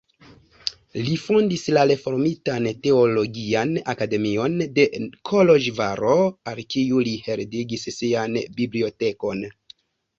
Li fondis la reformitan teologian akademion de Koloĵvaro, al kiu li heredigis sian bibliotekon.